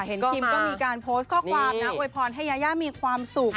คิมก็มีการโพสต์ข้อความนะอวยพรให้ยายามีความสุข